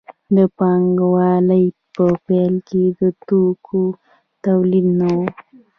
د پانګوالۍ په پیل کې د توکو تولید نه و.